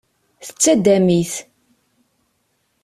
Tettaddam-it.